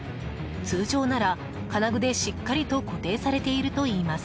通常なら、金具でしっかりと固定されているといいます。